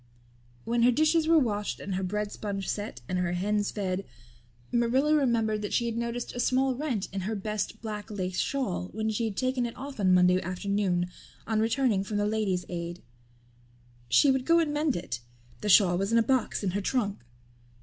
When her dishes were washed and her bread sponge set and her hens fed Marilla remembered that she had noticed a small rent in her best black lace shawl when she had taken it off on Monday afternoon on returning from the Ladies' Aid. She would go and mend it. The shawl was in a box in her trunk.